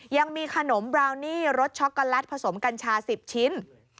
ยังมีขนมบราวนี่รสช็อกโกแลตผสมกัญชา๑๐ชิ้น